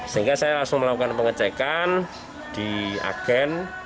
sehingga saya langsung melakukan pengecekan di agen